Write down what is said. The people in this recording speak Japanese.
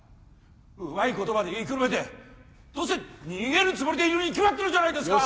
うまい言葉で言いくるめてどうせ逃げるつもりでいるに決まってるじゃないですか